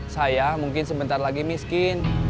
saya mungkin sebentar lagi miskin